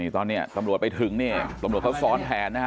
ตอนนี้ตำรวจไปถึงนี่ตำรวจเขาซ้อนแทนนะฮะ